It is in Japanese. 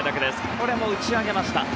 これも打ち上げました。